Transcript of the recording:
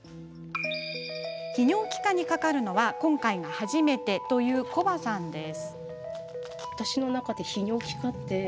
泌尿器科にかかるのは今回が初めてというコバさんです。